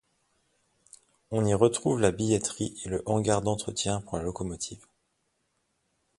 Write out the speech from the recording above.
On y retrouve la billetterie et le hangar d'entretien pour la locomotive.